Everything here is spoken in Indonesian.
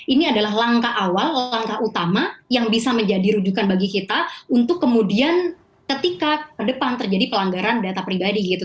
ini adalah langkah awal langkah utama yang bisa menjadi rujukan bagi kita untuk kemudian ketika ke depan terjadi pelanggaran data pribadi gitu